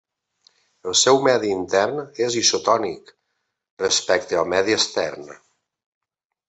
El seu medi intern és isotònic respecte al medi extern.